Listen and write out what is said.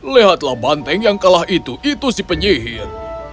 lihatlah banteng yang kalah itu itu si penyihir